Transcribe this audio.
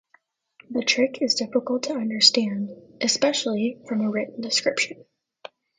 The trick is difficult to understand, especially from a written description.